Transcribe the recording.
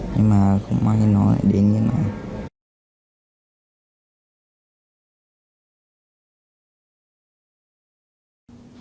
nhưng mà cũng may nó lại đến với mình